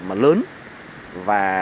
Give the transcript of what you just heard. mà lớn và